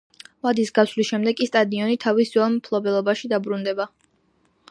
ვადის გასვლის შემდეგ კი სტადიონი თავის ძველ მფლობელობაში დაბრუნდება.